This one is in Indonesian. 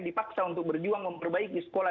dipaksa untuk berjuang memperbaiki sekolah